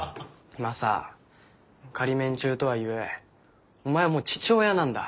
マサ仮免中とはいえお前もう父親なんだ。